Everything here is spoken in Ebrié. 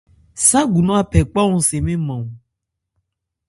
Ságu nɔn a phɛ kpán-yɔn se mɛ́n nman.